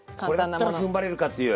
これだったらふんばれるかっていう。